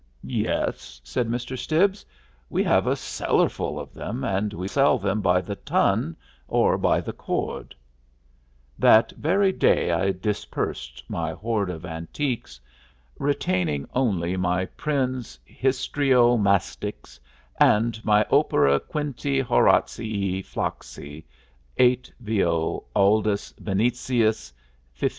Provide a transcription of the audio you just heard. "Yes," said Mr. Stibbs, "we have a cellarful of them, and we sell them by the ton or by the cord." That very day I dispersed my hoard of antiques, retaining only my Prynne's "Histrio Mastix" and my Opera Quinti Horatii Flacci (8vo, Aldus, Venetiis, 1501).